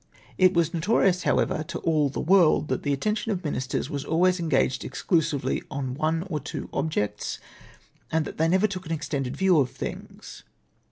It was notorious, however, to all the world, that the nttention of ministers was always engaged exclusively on one or two objects, and that they never took an extended view of things.